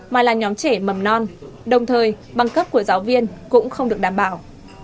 mà là nhóm trẻ mầm non đồng thời bằng cấp của giáo viên cũng không được đảm bảo